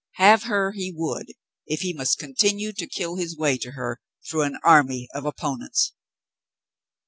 Have her he would, if he must continue to kill his way to her through an army of opponents.